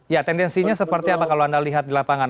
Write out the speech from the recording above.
ya tendensinya seperti apa kalau anda lihat di lapangan